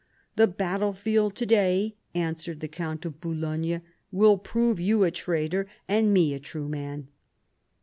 "The battlefield to day," answered the count of Boulogne, " will prove you a traitor and me a true man."